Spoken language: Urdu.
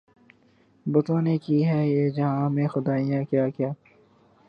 بتوں نے کی ہیں جہاں میں خدائیاں کیا کیا